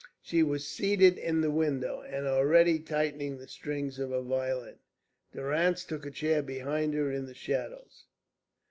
She was seated in the window, and already tightening the strings of her violin. Durrance took a chair behind her in the shadows.